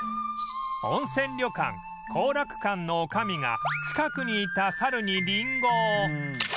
温泉旅館後楽館の女将が近くにいた猿にリンゴを